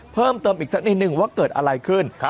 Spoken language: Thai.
เพิ่มเติมอีกสักนิดนึงว่าเกิดอะไรขึ้น